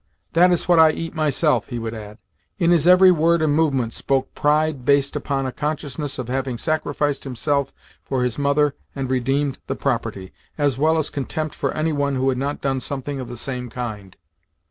"That is what I eat myself," he would add. In his every word and movement spoke pride based upon a consciousness of having sacrificed himself for his mother and redeemed the property, as well as contempt for any one who had not done something of the same kind.